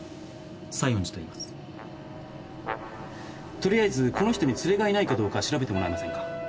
とりあえずこの人に連れがいないかどうか調べてもらえませんか？